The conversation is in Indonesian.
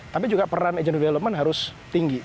tapi juga peran agent development harus tinggi